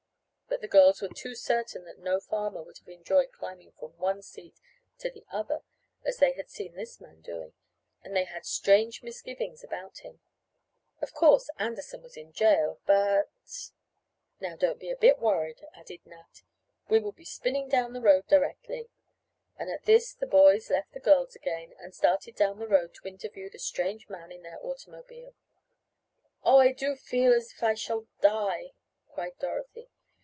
But the girls were too certain that no farmer would have enjoyed climbing from one seat to the other as they had seen this man doing, and they had strange misgivings about him of course Anderson was in jail, but "Now, don't be a bit worried," added Nat. "We will be spinning down the road directly," and at this the boys left the girls again, and started down the road to interview the strange man in their automobile. "Oh, I do feel as if I shall die!" cried Dorothy.